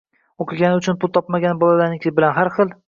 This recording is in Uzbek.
o‘qigani uchun pul olmagan bolalarniki bilan bir xil.